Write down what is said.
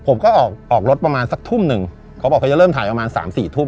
ผมก็ออกออกรถประมาณสักทุ่มหนึ่งเขาบอกเขาจะเริ่มถ่ายประมาณสามสี่ทุ่ม